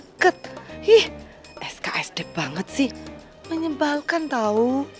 kok deket ih sksd banget sih menyebalkan tau